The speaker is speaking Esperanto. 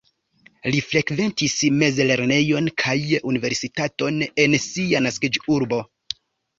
Li frekventis mezlernejon kaj universitaton en sia naskiĝurbo.